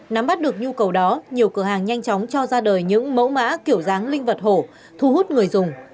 nắm bắt được nhu cầu đó nhiều cửa hàng nhanh chóng cho ra đời những mẫu mã kiểu dáng linh vật hổ thu hút người dùng